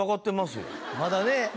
まだね。